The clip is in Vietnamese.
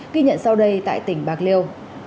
ghi nhận sau đây tại tỉnh bạc liêu